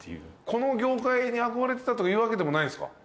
この業界に憧れてたというわけでもないんですか？